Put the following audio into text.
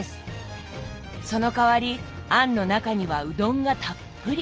その代わり餡の中にはうどんがたっぷり。